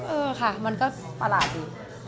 เออค่ะมันก็ประหลาดดี